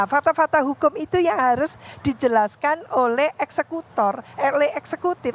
fakta fakta hukum itu yang harus dijelaskan oleh eksekutor oleh eksekutif